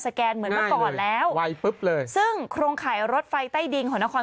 แกนเหมือนเมื่อก่อนแล้วไวปุ๊บเลยซึ่งโครงข่ายรถไฟใต้ดินของนคร